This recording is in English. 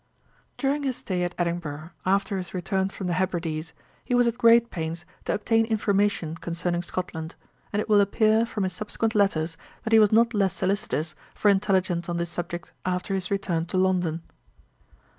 "' During his stay at Edinburgh, after his return from the Hebrides, he was at great pains to obtain information concerning Scotland; and it will appear from his subsequent letters, that he was not less solicitous for intelligence on this subject after his return to London.